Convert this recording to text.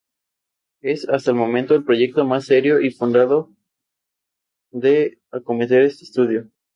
Principalmente debido a su funcionamiento, rendimiento y valor comercial.